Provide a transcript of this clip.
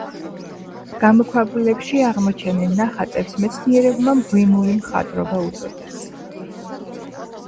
გამოქვაბულებში აღმოჩენილ ნახატებს მეცნიერებმა მღვიმური მხატვრობა უწოდეს.